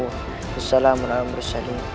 wassalamualaikum warahmatullahi wabarakatuh